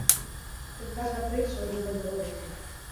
Kezka sartu dit sorgin kontu horiekin.